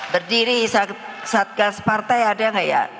berdiri satgas partai ada nggak ya